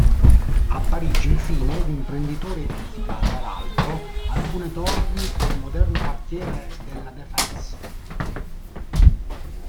A Parigi, infine, l’imprenditore edifica, tra l’altro, alcune torri nel moderno quartiere della Défense.